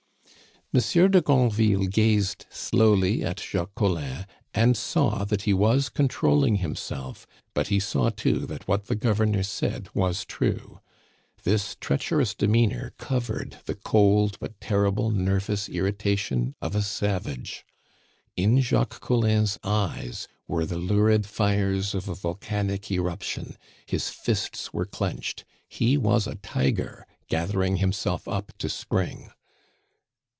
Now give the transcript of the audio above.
Monsieur de Granville gazed slowly at Jacques Collin, and saw that he was controlling himself; but he saw, too, that what the governor said was true. This treacherous demeanor covered the cold but terrible nervous irritation of a savage. In Jacques Collin's eyes were the lurid fires of a volcanic eruption, his fists were clenched. He was a tiger gathering himself up to spring.